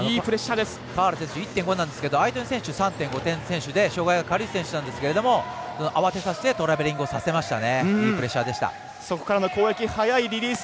川原選手１．５なんですけれどもあいての選手、３．５点選手で障がいが軽い選手なんですけど慌てさせてトラベリングさせましたね。